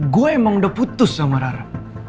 gue emang udah putus sama rara